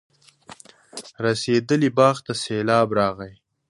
رسېدلي باغ ته سېلاب راغی.